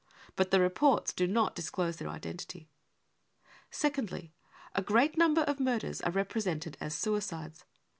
But the reports do not disclose their identity. Secondly, a great number of murders are represented as suicides.